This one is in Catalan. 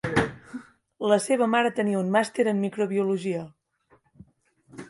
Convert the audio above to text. La seva mare tenia un màster en microbiologia.